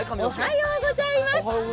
おはようございます。